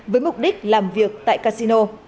với mục đích làm việc tại casino